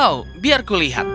oh biar aku lihat